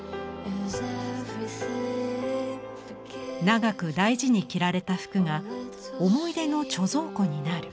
長く大事に着られた服が思い出の貯蔵庫になる。